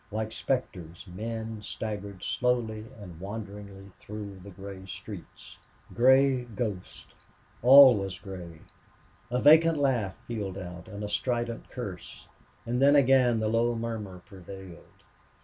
Like specters men staggered slowly and wanderingly through the gray streets. Gray ghosts! All was gray. A vacant laugh pealed out and a strident curse, and then again the low murmur prevailed.